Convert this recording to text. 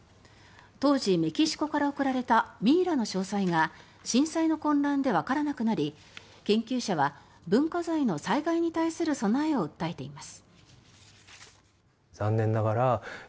当時、メキシコから贈られたミイラの詳細が震災の混乱でわからなくなり研究者は文化財の災害に対する備えを訴えています。